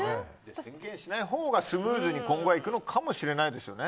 宣言しないほうがスムーズに今後はいくかもしれないですよね。